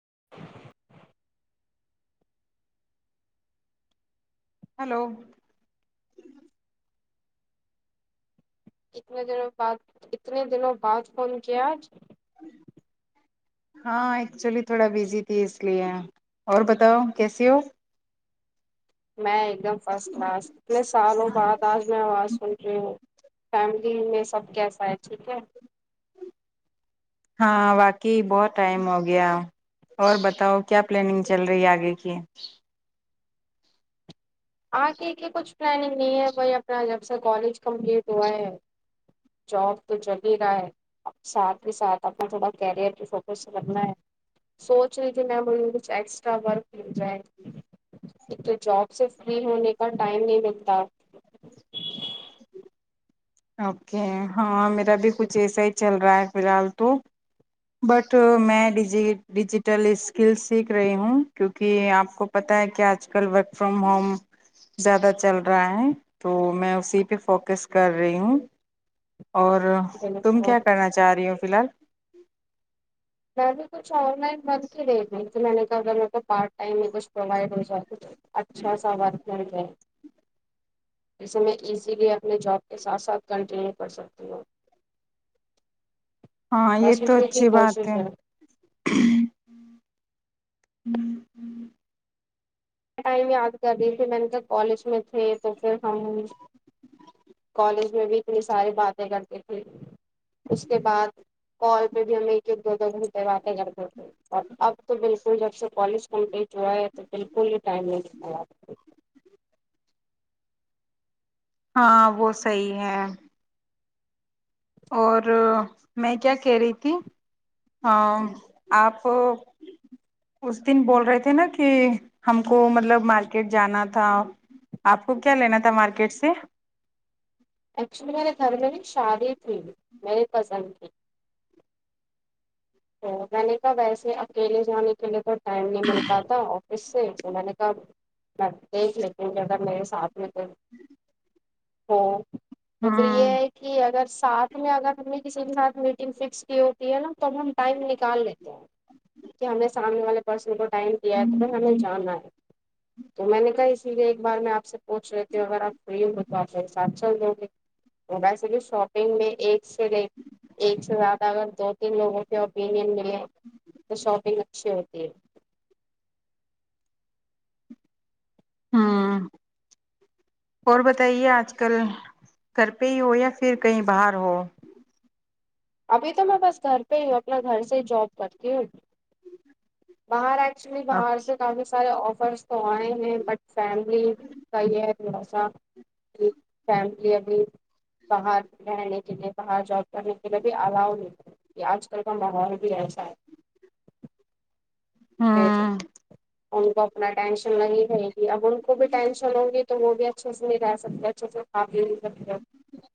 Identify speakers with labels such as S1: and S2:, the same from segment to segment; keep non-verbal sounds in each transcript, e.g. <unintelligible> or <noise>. S1: <inaudible>
S2: Hello <inaudible>
S1: اتنے دنوں بعد اتنے دنوں بعد فون کیا آج
S2: ہاں ایکچولی تھوڑا بزی تھی اس لیے اور بتاؤ کیسے ہو
S1: میں ایک دم فرسٹ کلاس اتنے سالوں بعد آج میں آواز سن رہی ہوں <unintelligible> فیملی میں سب کیسا ہے ٹھیک ہے <unintelligible>
S2: ہاں واقعی بہت ٹائم ہو گیا اور بتاؤ کیا پلاننگ چل رہی آگے کی <unintelligible>
S1: آ کے کہ کچھ پلاننگ نہیں ہے بھائی اپنا جب سے کالج کمپلیٹ ہوا ہے جاب تو چل ہی رہا ہے ساتھ ہی ساتھ اپنا تھوڑا کیریئر پہ فوکس کرنا ہے سوچ رہی تھی میںم ک چھ ایکسٹرا ورک جائے <unintelligible> جابس <unintelligible> فری ہونے کا ٹائم نہیں لگتا
S2: اوکے ہاں میں ابھی کچھ ایسا ہی چل رہا ہے فی الحال تو بٹ میں ڈجی ڈیجیٹل اسکل سیکھ رہی ہوں کیونکہ آپ کو پتاہ ہے کہ آج کل ورک فرام ہوم زیادہ چل رہا ہے تو میں اسی پہ فوکس کر تن <inaudible> اور تم
S1: بالکل
S2: کیا کرنا چاہ رہی ہو فی الحال <inaudible>
S1: میں بھی کچھ آن لائن بن کےے میں نے تو پارٹ ٹائم ایک پروائڈ ہو جات اچھا سا وورتر کیا جسے میں ایزیلی اپنے جاب کے ساتھ ساتھ کنٹینیو کر سکتی ہوں
S2: ہاں یہ
S1: بس
S2: تو
S1: اسی کی
S2: اچھی بات
S1: کوشش
S2: ہے ہوں ہ <inaudible>
S1: ٹائم یاد کر دی تھی میں نے کہ کالج میں تھے تو پھر ہم کالج میں بھی اتنی ساری باتیں کرتے تھے اس کے بعد کال پہ بھی ہم ایک ایک دو دو گھنٹے باتیں کرتے تھے اور اب تو بالکل جب سے کالج کمپلیٹ ہوا ہے تو بالکل فل ٹائمن خ
S2: ہاں وہ صحی ہے اور میں کیا کہہ رہی تھی آپ ا دن بول رہے تھے نا کہ ہم کو مطلب مارکیٹ جانا تھا آپ کو کیا لینا تھا مارکیٹ سے
S1: ایکچولی میرے گھر میں بھی شادی تھی میرے کزن تھی تو میں نے کہ ویسے اکیلے جانے کے لیے تو ٹائم نہیں مل پاتا آفس سے تو میں نے کہا میں دیکھ لتیوں اگر میرے ساتھ
S2: جی <inaudible>
S1: ہاں <inaudible> تو پھر یہ ہے کہ اگر ساتھ میں اگر ہم نے کسی کے ساتھ میٹنگ فکس کی ہوتی ہے نا تو ٹائم نکال لیتے ہیں کہ ہم نے سامنے والے پرسن کو ٹائم دیات میں ہمیں جام ہے تو میں نے کہا اس لیے ایک بار میں آپ سے پوچھ رہی ت ہوں اگر آپ فری ہ گے تو آپ میرے ساتھ چل دو گے ویسے بھی شاپنگ میں ایک سے ایک سے زیادہ اگر دو تین لوگوں اپینن میں تو شاپگ اچھی ہوتی
S2: ہوں اور بتائیے آج کل گھر پہ ہی ہو یا پھر کہیں باہر ہو
S1: ابھی تو میں بس گھر پہ ہی ہوں اپنا گھر سے ہی جاب کرتی ہوں بہار چلی باہر سے کافی سارے سفرس تو آئے ہیں بٹ فیملی کا یہ ہے بھروسہ کہ فیملی ابھی باہر رہنے کے لیے باہر جات کر ہے بھی الاؤ نہیں یہ آج کل کا ماحول بھی ایسا ہے پھر
S2: <unintelligible>
S1: ان کو اپنا ٹینشن لگی رہے گی اب ان کو بھی ٹینشن ہوگی تو وہ بھی اچھے سے نہیں رہ سکتے اچھے سے قاب لے سکتے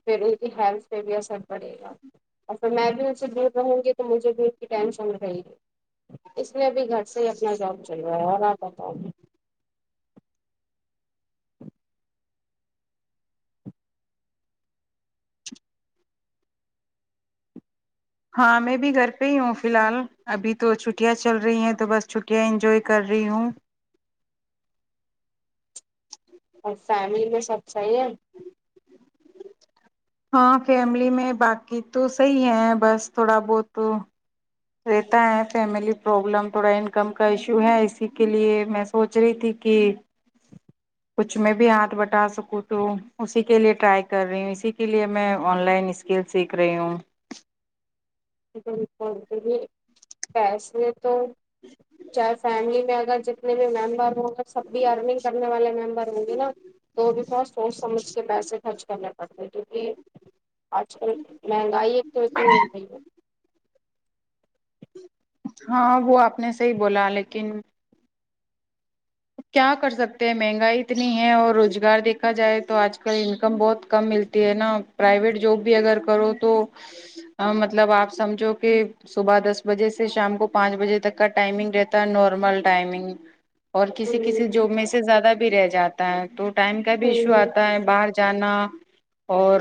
S1: پھر ان کی ہیلتھ پہ بھی اثر پڑے گا اور پھر میں بھی ان سے دور رہوں گی تو مجھے دور کی ٹینشن رہے گی اس لیے اب صح ہی اپنا جاب چاہیے ہے <unintelligible>
S2: ہاں میں بھی گھر پہ ہی ہوں فی الحال ابھی تو چھٹیاں چل رہی ہیں تو بس چھٹیاں انجوائے کر رہی ہوں
S1: اور فیملی میں سب صحیح ہے
S2: ہاں فیملی میں باقی تو صحیح ہے بس تھوڑا بہت رہتا ہے فیملی پرابلم تھوڑا انکم کا ایشو ہے اسی کے لیئے میں سوچ رہی تھی کہ کچھ میں بھی ہاتھ بٹا سکوں تو اسی کے لئے ٹرائی کر رہی ہوں اسی کے لئے میں آن لائن اسکل سیکھ رہی ہوں
S1: بالکل پیسے تو چاہے فیملی میں اگر جتنے بھی ممبر ہوںگر سب بھی ارننگ کرنے والے ممبر ہوں گے نا تو وہ بھی بہت سوچ سمجھ کے پیسے خرچ کرنے پڑتے کیونکہ آج کل مہنگائی ایک تو اتنی ہو گئی ہے
S2: ہاں وہ اپنے سے ہی بولا لیکن کیا کر سکتے ہیں مہنگائی اتنی ہے اور روزگار دیکھا جائے تو آج کل انکم بہت کم ملتی ہے نا پرائیویٹ جاب بھی اگر کرو تو مطلب آپ سمجھو کہ صبح دس بجے سے شام کو پانچ بجے تک کا ٹائمنگ رہتا ہے نارمل ٹائمنگ اور کسی کسی
S1: ہوں
S2: جاب میں سے زیادہ بھی بھی رہ جاتا ہے تو ٹائم کا بھی ایشو
S1: ہوں
S2: آتا ہے باہر جانا اور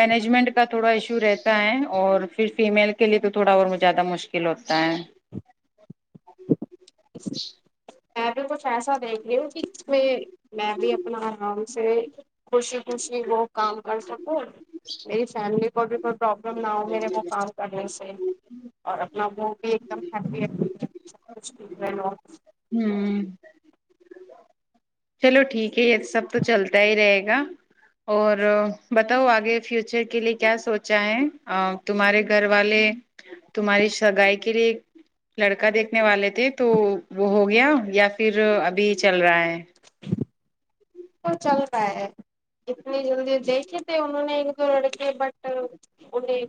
S2: مینجمنٹ کا تھوڑا ایشو رہتا ہے اور پھر فیمل کے لیے تو تھوڑا اور زیادہ مشکل ہوتا ہے <inaudible>
S1: میں بھی کچھ ایسا دیکھ رہی ہوں کہ اس میں میں بھی اپنا آرام سے خوشی خوشی وہ کام کر سکو میری فیملی <unintelligible> کوئی پرابلم نہ ہو میرے وہ کام کرنے سے اور اپنا وہ <unintelligible> <unintelligible> <unintelligible>
S2: ہوں چلو ٹھیک ہے یہ سب تو چلتا ہی رہے گا اور ب بتاؤ آگے فیوچر کے لیے کیا سوچا ہے تمہارے گھر والے تمہاری سگائی کے لیے لڑکا دیکھنے والے تھے تو وہ ہو گیا یا پھر ابھی چل رہا ہے
S1: چل رہا ہے اتنی جلدی دیکھھی انہوں نے ایک دو لڑک بٹ انہیں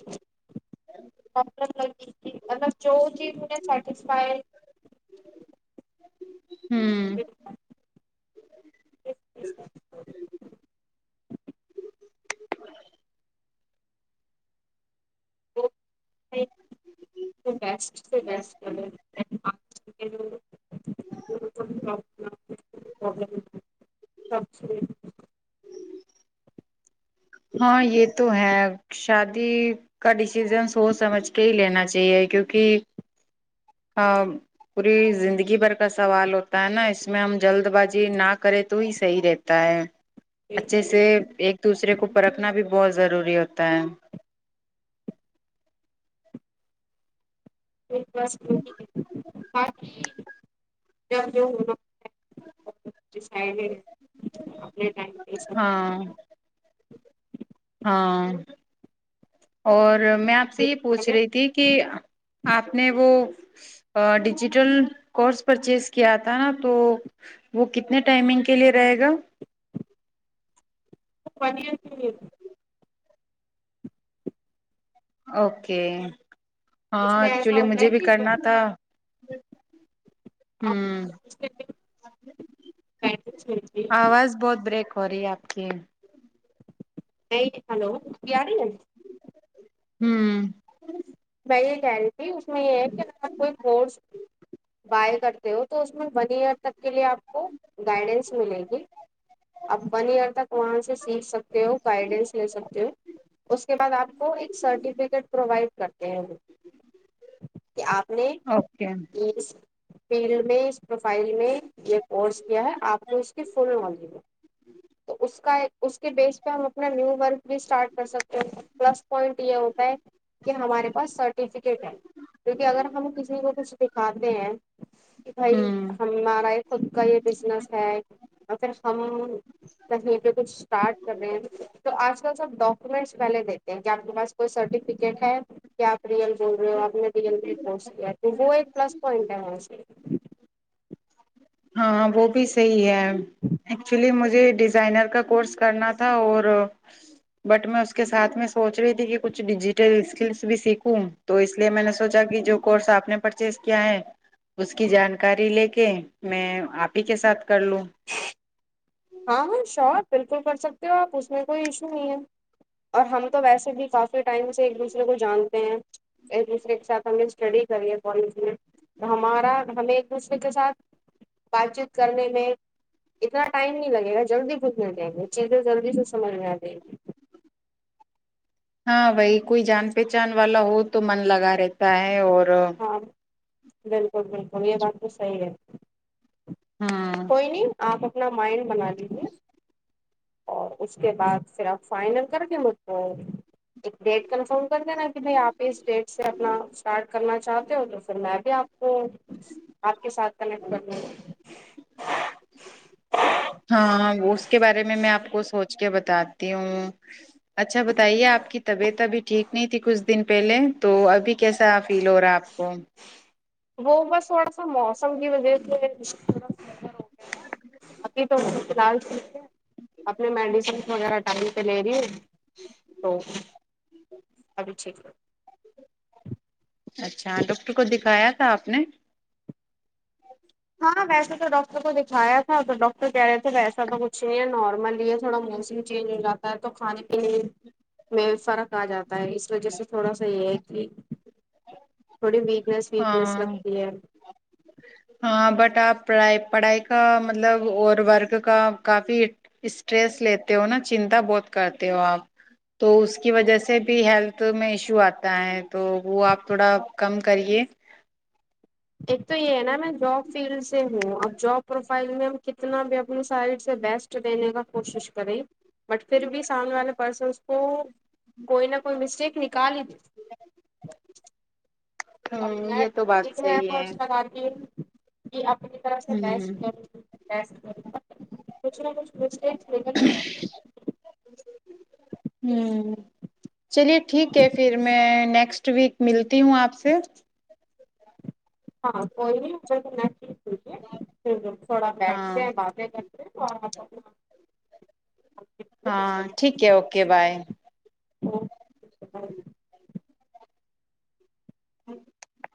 S1: لگ تھیطب جو چیز مجھے سیٹسفائی
S2: ہوں
S1: <inaudible> سے <unintelligible> ب س چ پرابلم سب چھ <unintelligible>
S2: ہاں یہ تو ہے شادی کا ڈسیزن سوچ سمجھ کے ہی لینا چاہیے کیونکہ <unintelligible> ہاں پوری زندگی بھر کا سوال ہوتا ہے نا اس میں ہم جلد بازی نہ کریں تو ہی صحیح رہتا ہے <unintelligible> اچھے سے ایک دوسرے کو پرکھنا بھی بہت <unintelligible> ضروری ہوتا ہے <unintelligible>
S1: ی <unintelligible> جب جو <unintelligible> ڈ اپنے ٹائم
S2: ہاں
S1: <unintelligible>
S2: ہاں اور <unintelligible> اور میں آپ سے یہ پوچھ رہی تھی کہ آپ نے وہ <unintelligible> ڈیجیٹل کورس پرچیز کیا تھا نا تو وہ کتنے ٹائمنگ کے لیے رہے گا <unintelligible>
S1: بڑ سے <unintelligible>
S2: اوکے <unintelligible>
S1: اس
S2: ہاں
S1: میں ایسا
S2: ایکچولی
S1: ہوتا
S2: مجھے
S1: ہے
S2: بھی
S1: کہ
S2: کرنا تھا <unintelligible> جالک
S1: آپ
S2: <unintelligible>
S1: بیٹرس ملتی ہے
S2: ہ آواز بہت بریک <unintelligible> ہو رہی آپ کی <unintelligible>
S1: نہیں ہلو یار ہے
S2: ہوں
S1: یہی گ جی اس میں یہ ہے کہ ا آپ کوئی فوڈس بائل کرتے ہو تو اس میں ون ایئر تک کے لیے آپ کو گائیڈینس ملے گی آپ ون ایئر تک وہاں سے سیکھ سکتے ہو گائیڈینس لے سکتے ہو اس کے بعد آپ کو ایک سرٹیفکیٹ پرووائڈ کر کہ آپ نے
S2: اوکے
S1: اس فیلڈ میں اس پروفائل میں یہ کورس کیا ہے آپ کو اس کی فل نالج میں تو اس کا ایک اس کے بیس پہ ہم اپنا نیو ورک بھی اسٹارٹ کر سکتے ہیں پلس پوائنٹ یہ ہوتا ہے کہ بس سرٹیفکیٹ ہے کیونکہ اگر ہم کسی کو کچھ دکھاتے ہیں کہ بھائی
S2: ہوں
S1: ہمارا یہ خود کا یہ بزنس ہے اگرر سام تیں پہ کچھ اسٹارٹ کر رہے ہیں تو آج کل سب ڈاکومنٹس پہلے دیتے ہیں کہ آپ کے پاس کوئی سرٹیفکیٹ ہے آپ ریئل بول رہے ہو ابن رل بشی تو وہ ایک پلس پوائنٹ ہے ہماں سے
S2: ہاں وہ بھی صحی ہے ایکچولی مجھے ڈیزائنر کا کورس کرنا تھا اور بٹ میں اس کے ساتھ میں سوچ رہی تھی کہ کچھ ڈیجیٹل اسکلس بھی سیکھوں تو اس لیے میں نے سوچا کہ جو کورس آپ نے پرچیز کیا ہے اس کی جانکاری لے کے میں آپ ہی کے ساتھ کر لوں
S1: ہاں ہاں شور بالکل کر سکتے ہو آپ اس میں کوئی ایشو نہیں ہے اور ہم تو ویسے بھی کافی ٹائم سے ایک دوسے کو جانتے ہیں ایک دوسرے کے ساتھ ہم نے اسٹڈی کری ہے کالج میں تو ہمارا ہمیں ایک دوسرے کے ساتھ بات چیت کرنے میں اتنا ٹائم نہیں لگے گا جلدی گھسنے دیں گے چیزیں جلدی سے سمجھ میں آ جیں گی
S2: ہاں وہی کوئی جان پہچان والا ہو تو من لگا رہتا ہے اور
S1: ہاں بالکل بالکل یہ بات تو صحی ہے
S2: ہاں
S1: کوئی نہیں آپ اپنا مائنڈ بنانی ہے اور اس کے بعد پھر آپ فائنل کر کے مجھ کو ایک ڈیٹ کنفرم کر دینا کہ بائی آپ اس ڈیٹ سے اپنا اسٹارٹ کرنا چاہتے ہو تو پھر میں بھی آپ تو آپ کے ساتھ کنیکٹ کرنا
S2: ہاں اس کے بارے میں میں آپ کو سوچ کے بتاتی ہوں اچھا بتائیے آپ کی طبیعت ابھی ٹھیک نہیں تھی کچھ دن پہلے تو ابھی کیسا فیل ہو رہا ہے آپ کو
S1: وہ بس تھوڑا سا موسم کی وجہ سے گیا ہے <unintelligible> اپنے میڈیسنس وغیرہ ٹائم پہ لے رہی ہیں تو ابھی ٹھیک ہے
S2: اچھا ڈاکٹر کو دکھایا تھا آپ نے
S1: ہاں ویسے تو ڈاکٹر کو دکھایا تھا تو ڈاکٹر کہہ رہے تھے ویسا تو کچھ نہیں نارمل ہی تھوڑا موسم چینج ہو جا ہے تو کھانے پینے میں فرق آ جاتا ہے اس وجہ سے تھوڑا سا یہ ہے کہ تھوڑی بھی س ویٹنیس
S2: ہاں
S1: لگتی ہے
S2: ہاں بٹ آپ پڑھائی پڑھائی کا مطلب اور ورک کا کافی اسٹریس لیتے ہو نا چنتا بہت کرتے ہو آپ تو اس کی وجہ سے بھی ہیلتھ میں ایشو آتا ہے تو وہ آپ تھوڑا کم کریے
S1: ایک تو یہ ہے نا میں جاب فیلڈ سے ہوں اب جاب پروفائل میں کتنا بھی اپنی سائڈ بیسٹ دینے کا کوشش کریں بٹ پھر بھی سامنے والے پرسنس کو کوئی نہ کوئی مسٹیک نکالی
S2: ہوں یہ تو بات
S1: <unintelligible>
S2: صحیح
S1: <unintelligible>
S2: ہمم
S1: بیسٹ کروں بیسٹ کروں کچھ نہ کچھ مسٹیکس
S2: ہمم چلیے
S1: نکل ہی پڑتی۔
S2: <unintelligible> ٹھیک ہے پھر میں نیکسٹ۔۔۔۔ نیکسٹ ویک ملتی ہوں آپ سے۔
S1: <unintelligible> ٹھیک ہے پھر تھوڑا
S2: ہاں
S1: بیٹھتے ہیں باتیں کرتے ہیں۔۔۔ ڈسکس
S2: ہاں۔ ٹھیک ہے۔
S1: کرتے
S2: اوکے بائے۔
S1: <unintelligible>
S2: <inaudible> <unintelligible>